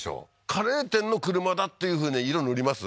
カレー店の車だっていうふうに色塗ります？